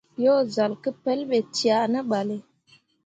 Yo zal ke pelɓe cea ne ɓalle.